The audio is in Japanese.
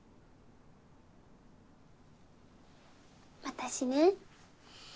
私ね